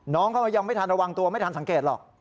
น้องเขายังไม่ทันระวังตัวไม่ทันสังเกตหรอก